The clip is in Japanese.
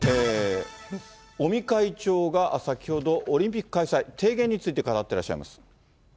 尾身会長が先ほど、オリンピック開催提言について語ってらっしゃいます。